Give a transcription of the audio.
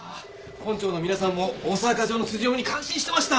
本庁の皆さんも大沢課長の筋読みに感心してました。